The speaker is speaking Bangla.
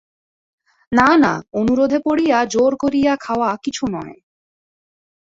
না না, অনুরোধে পড়িয়া জোর করিয়া খাওয়া কিছু নয়।